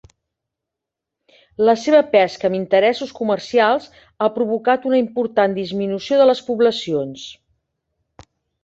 La seva pesca amb interessos comercials ha provocat una important disminució de les poblacions.